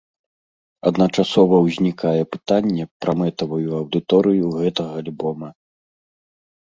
Адначасова ўзнікае пытанне пра мэтавую аўдыторыю гэтага альбома.